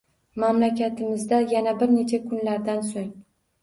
Mamlakatimizda yana bir necha kunlardan so‘ng